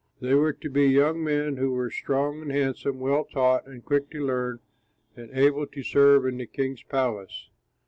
They were to be young men who were strong and handsome, well taught and quick to learn and able to serve in the king's palace.